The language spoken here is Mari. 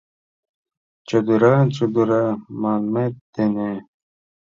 «Чодыра, чодыра» манмет дене